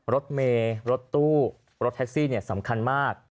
รถเมล์รถตู้รถแท็คซี่เนี่ยสำคัญมาก